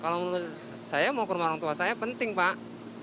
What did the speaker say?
kalau menurut saya mau ke rumah orang tua saya penting pak